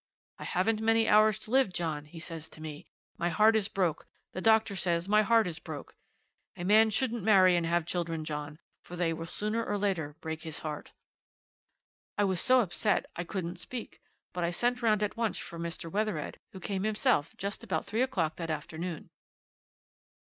"I haven't many hours to live, John," he says to me "my heart is broke, the doctor says my heart is broke. A man shouldn't marry and have children, John, for they will sooner or later break his heart." I was so upset I couldn't speak; but I sent round at once for Mr. Wethered, who came himself just about three o'clock that afternoon.